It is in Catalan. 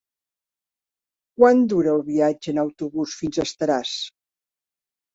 Quant dura el viatge en autobús fins a Estaràs?